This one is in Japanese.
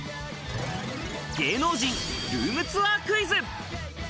芸能人ルームツアークイズ！